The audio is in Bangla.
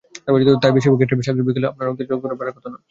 তাই বেশির ভাগ ক্ষেত্রেই শাকসবজি খেলে আপনার রক্তের শর্করা বাড়ার কথা নয়।